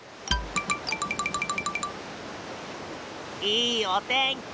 いいおてんき。